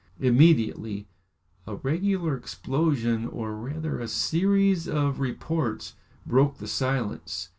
Immediately, a regular explosion, or rather, a series of reports, broke the silence!